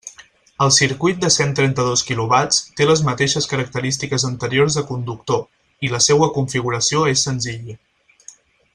El circuit de cent trenta-dos quilovats, té les mateixes característiques anteriors de conductor, i la seua configuració és senzilla.